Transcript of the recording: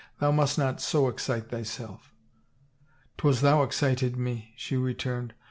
Thou must not so excite thyself." " 'Twas thou excited me," she returned.